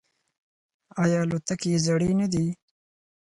آیا الوتکې یې زړې نه دي؟